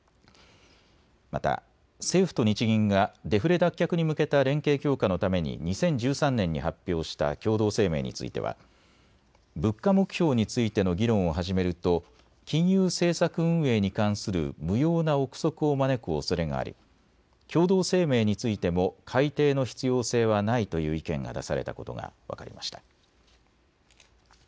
また政府と日銀がデフレ脱却に向けた連携強化のために２０１３年に発表した共同声明については物価目標についての議論を始めると金融政策運営に関する無用な憶測を招くおそれがあり共同声明についても改定の必要性はないという意見が出されたことが分かりました。